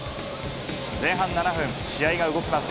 前半７分、試合が動きます。